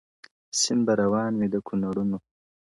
• سیند به روان وي د کونړونو -